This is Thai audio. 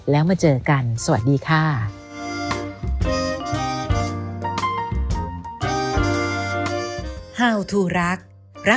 แล้วมาเจอกันสวัสดีค่ะ